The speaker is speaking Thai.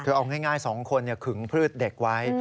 คือเอาง่าย๒คนขึงพืชเด็กไว้